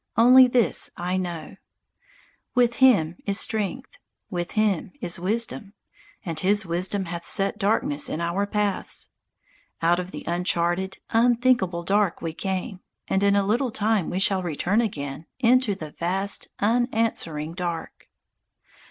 Only this I know: With Him is strength, with Him is wisdom, And His wisdom hath set darkness in our paths. _Out of the uncharted, unthinkable dark we came, And in a little time we shall return again Into the vast, unanswering dark.